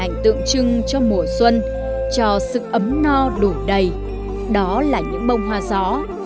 hình ảnh tượng trưng cho mùa xuân cho sức ấm no đủ đầy đó là những bông hoa gió